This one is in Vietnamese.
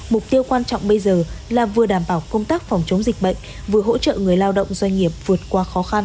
mục tiêu quan trọng bây giờ là vừa đảm bảo công tác phòng chống dịch bệnh vừa hỗ trợ người lao động doanh nghiệp vượt qua khó khăn